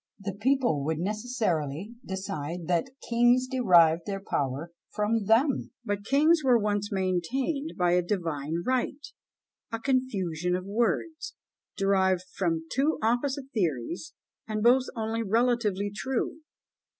The people would necessarily decide that "kings derived their power from them;" but kings were once maintained by a "right divine," a "confusion of words," derived from two opposite theories, and both only relatively true.